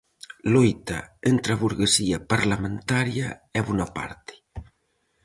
Loita entre a burguesía parlamentaria e Bonaparte.